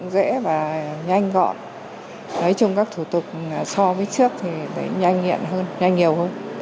dễ và nhanh gọn nói chung các thủ tục so với trước thì nhanh nhẹn hơn nhanh nhiều hơn